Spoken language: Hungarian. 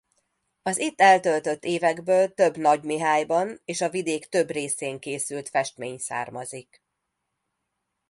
Az itt eltöltött évekből több Nagymihályban és a vidék több részén készült festmény származik.